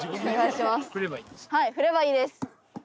振ればいいです。